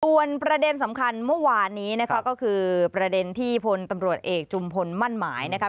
ส่วนประเด็นสำคัญเมื่อวานนี้นะคะก็คือประเด็นที่พลตำรวจเอกจุมพลมั่นหมายนะครับ